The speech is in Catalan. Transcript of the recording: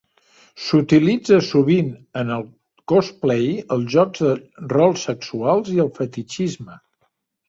S'utilitza sovint en el cosplay, els jocs de rol sexuals i el fetitxisme.